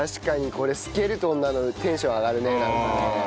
これスケルトンなのテンション上がるねなんかね。